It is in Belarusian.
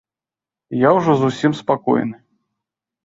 Я ўжо зусім спакойны.